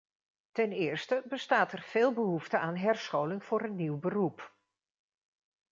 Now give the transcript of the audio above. Ten eerste bestaat er veel behoefte aan herscholing voor een nieuw beroep.